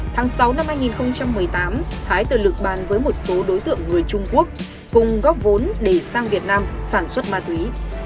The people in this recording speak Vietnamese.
tháng sáu năm hai nghìn một mươi tám thái tự lực bàn với một số đối tượng người trung quốc cùng góp vốn để sang việt nam sản xuất ma túy